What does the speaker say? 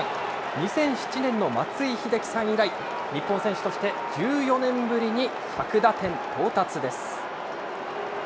２００７年の松井秀喜さん以来、日本選手として１４年ぶりに１００打点到達です。